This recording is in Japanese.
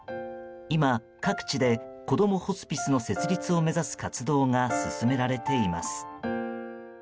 今、各地でこどもホスピスの設立を目指す活動が進められています。